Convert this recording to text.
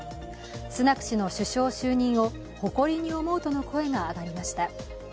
スナク氏の首相就任を誇りに思うとの声が上がりました。